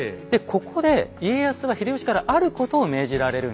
ここで家康は秀吉からあることを命じられるんです。